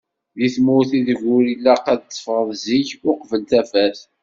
Deg tmurt i deg ur ilaq ad tefɣeḍ zik uqbel tafat.